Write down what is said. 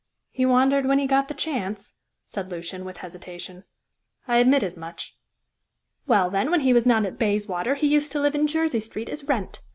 "He wandered when he got the chance," said Lucian, with hesitation. "I admit as much." "Well, then, when he was not at Bayswater he used to live in Jersey Street as Wrent.